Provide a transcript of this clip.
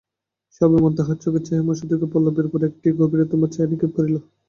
সেই অভিমান তাহার চোখের ছায়াময় সুদীর্ঘ পল্লবের উপর আর একটি গভীরতর ছায়া নিক্ষেপ করিল।